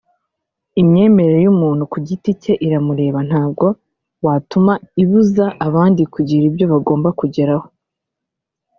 Imyemerere y’umuntu ku giti cye iramureba ntabwo watuma ibuza abandi kugira ibyo bagomba kugeraho